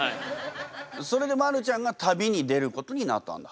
それでマルちゃんが旅に出ることになったんだ。